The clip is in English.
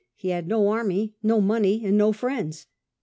He had no army, no money, and no friends.